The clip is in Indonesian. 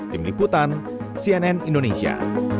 tim liputan cnn indonesia